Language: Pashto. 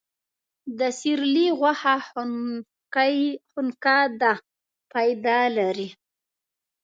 د سیرلي غوښه خونکه ده، فایده لري.